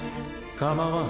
・構わん。